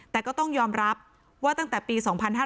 แต่ก็ต้องยอมรับว่าตั้งแต่ปี๒๕๕๙